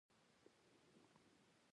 زموږ په ولس کې پښتۍ پښتۍ قومونه خلک اوسېږيږ